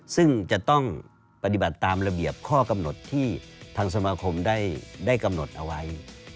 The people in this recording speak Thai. ซึ่งจะต้องปฏิบัติตามระเบียบข้อกำหนดที่ทางสมาคมได้กำหนดเอาไว้